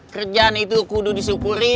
kerjaan itu kudu disyukuri